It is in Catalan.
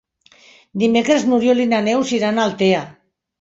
Dimecres n'Oriol i na Neus iran a Altea.